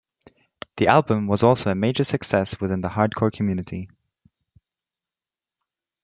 The album was also a major success within the hardcore community.